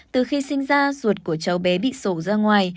từ khi sinh ra ruột của cháu bé bị sổ ra ngoài